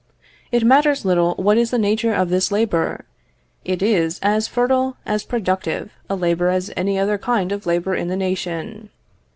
It matters little what is the nature of this labour; it is as fertile, as productive a labour as any other kind of labour in the nation.